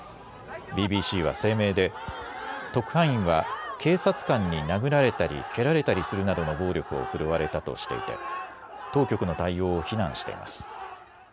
ＢＢＣは声明で特派員は警察官に殴られたり蹴られたりするなどの暴力を振るわれたとしていて当局の対応を非難しています。